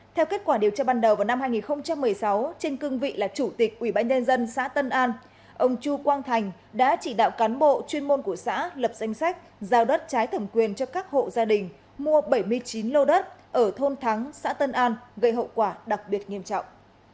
theo kết quả điều tra ban đầu vào năm hai nghìn một mươi sáu trên cương vị là chủ tịch ubnd xã tân an ông chu quang thành đã chỉ đạo cán bộ chuyên môn của xã lập danh sách giao đất trái thẩm quyền cho các hộ gia đình mua bảy mươi chín lô đất ở thôn thắng xã tân an gây hậu quả đặc biệt nghiêm trọng